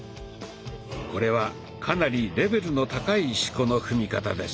これはかなりレベルの高い四股の踏み方です。